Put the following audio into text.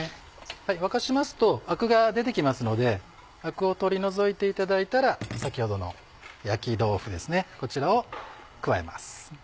沸かしますとアクが出てきますのでアクを取り除いていただいたら先ほどの焼き豆腐ですねこちらを加えます。